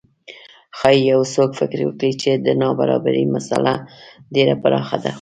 ښايي یو څوک فکر وکړي چې د نابرابرۍ مسئله ډېره پراخه ده.